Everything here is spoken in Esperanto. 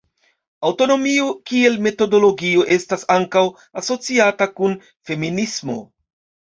Aŭtonomio kiel metodologio estas ankaŭ asociata kun feminismo.